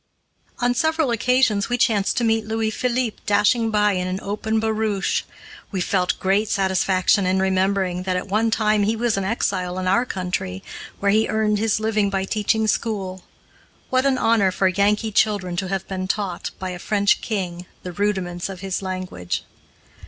On several occasions we chanced to meet Louis Philippe dashing by in an open barouche. We felt great satisfaction in remembering that at one time he was an exile in our country, where he earned his living by teaching school. What an honor for Yankee children to have been taught, by a French king, the rudiments of his language.